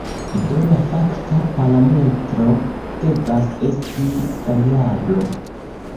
Do, la fakta parametro devas esti variablo.